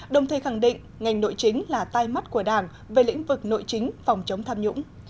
đồng thời khẳng định ngành nội chính là tai mắt của đảng về lĩnh vực nội chính phòng chống tham nhũng